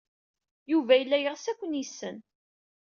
Yuba yella yeɣs ad ken-yessen.